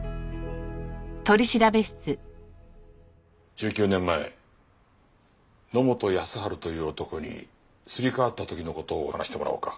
１９年前野本康治という男にすり替わった時の事を話してもらおうか。